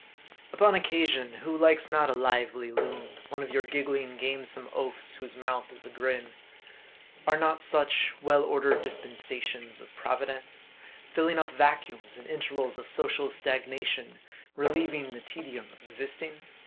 Upon occasion, who likes not a lively loon, one of your giggling, gamesome oafs, whose mouth is a grin? Are not such, well ordered dispensations of Providence? filling up vacuums, in intervals of social stagnation relieving the tedium of existing